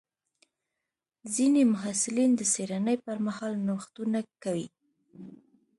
ځینې محصلین د څېړنې پر مهال نوښتونه کوي.